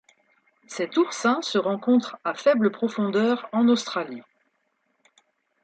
Cet oursin se rencontre à faible profondeur en Australie.